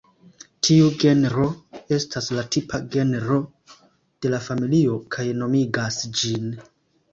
Tiu genro estas la tipa genro de la familio kaj nomigas ĝin.